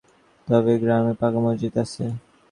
তবে গ্রামে পাকা মসজিদ আছে।